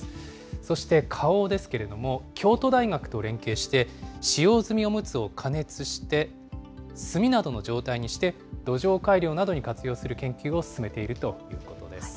そして花王ですけれども、京都大学と連携して、使用済みおむつを加熱して炭などの状態にして、土壌改良などに活用する研究を進めているということです。